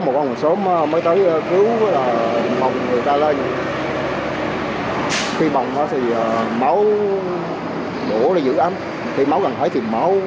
một con sớm mới tới cứu mọc người ta lên khi mọc nó thì máu đổ đi giữ ấm khi máu gần hỏi thì máu